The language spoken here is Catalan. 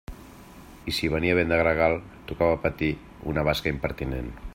I si venia vent de gregal, tocava patir una basca impertinent.